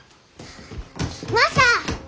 マサ！